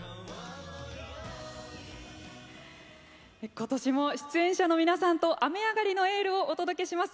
今年も出演者の皆さんと「雨上がりのエール」をお届けします。